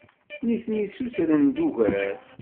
Nitni ssutren-d ugar.